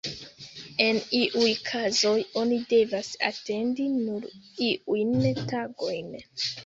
En iuj kazoj oni devas atendi nur iujn tagojn.